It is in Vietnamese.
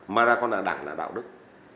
mà còn là đảng là đạo đức